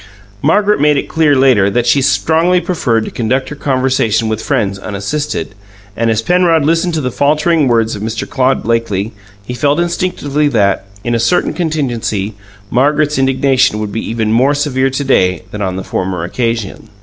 Margaret made it clear, later, that she strongly preferred to conduct her conversations with friends unassisted and as Penrod listened to the faltering words of Mr. Claude Blakely, he felt instinctively that, in a certain contingency, Margaret's indignation would be even more severe to day than on the former occasion.